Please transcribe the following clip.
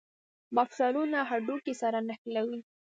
مفصلونه هډوکي سره نښلوي